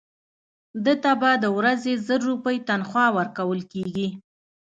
ده ته به د ورځې زر روپۍ تنخوا ورکول کېږي.